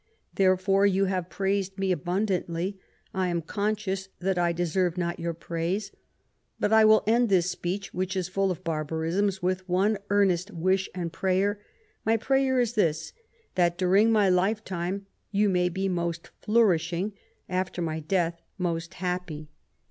Therefore you have praised me abundantly, I am conscious that I deserve not your praise. But I will end this speech, which is full of barbarisms, with one earnest wish and prayer. My prayer is this, that during my lifetime you may be most flourishing, after my death most happy."